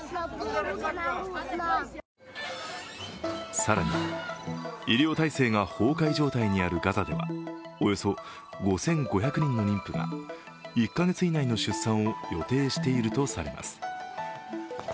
更に医療体制が崩壊状態にあるガザではおよそ５５００人の妊婦が１か月以内の出産を予定しているとされます。